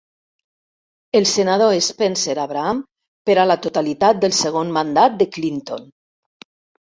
El senador, Spencer Abraham, per a la totalitat del segon mandat de Clinton.